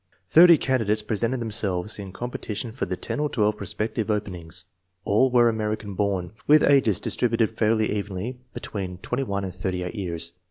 Thirty candidates presented themselves in competi tion for the ten or twelve prospective openings. All were American born, with ages distributed fairly evenly between 21 and 38 years.